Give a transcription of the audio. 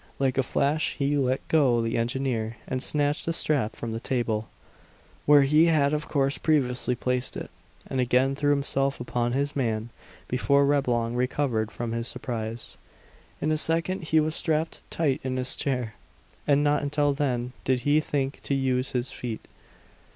Like a flash he let go the engineer and snatched a strap from the table where he had of course previously placed it and again threw himself upon his man before Reblong recovered from his surprise. In a second he was strapped tight in his chair; and not until then did he think to use his feet.